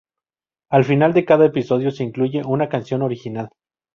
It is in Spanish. Al final de cada episodio, se incluye una canción original.